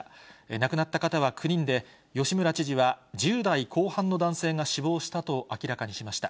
亡くなった方は９人で、吉村知事は、１０代後半の男性が死亡したと明らかにしました。